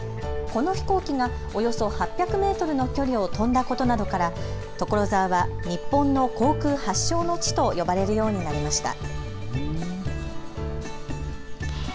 この飛行機がおよそ８００メートルの距離を飛んだことなどから所沢は日本の航空発祥の地と呼ばれるようになりました。